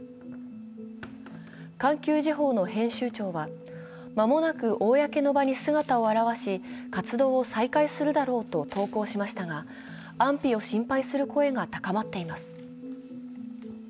「環球時報」の編集長は、間もなく公の場に姿を現し活動を再開するだろうと投稿しましたが安否を心配する声が高まっています。